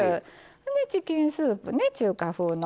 チキンスープね中華風の。